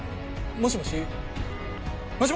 もしもし！